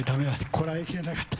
こらえきれなかった。